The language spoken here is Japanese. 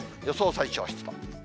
予想最小湿度。